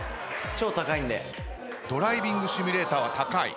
ドライビングシミュレーターは高い？